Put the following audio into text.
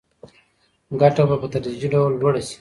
ګټه به په تدریجي ډول لوړه شي.